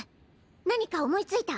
何か思いついた？